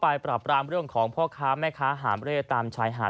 ปราบรามเรื่องของพ่อค้าแม่ค้าหามเร่ตามชายหาด